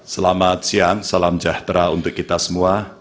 selamat siang salam sejahtera untuk kita semua